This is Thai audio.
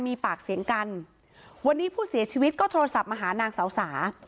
มีปากเสียงกันวันนี้ผู้เสียชีวิตก็โทรศัพท์มาหานางสาวสา